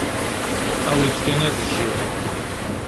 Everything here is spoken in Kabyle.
Awi-d kan ad jjiɣ.